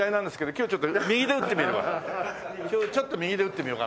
今日ちょっと右で打ってみようかなと思ってね。